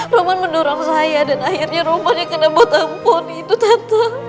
roman mendorong saya dan akhirnya roman yang kena batang pohon itu tante